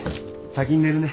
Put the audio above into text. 先に寝るね。